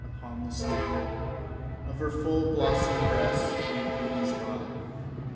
Upon the snow Of her full blossomed breast deep rubies lie.